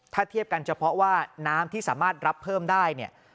ถ้าเทียบกันเฉพาะว่าน้ำที่สามารถรับเพิ่มได้เนี่ย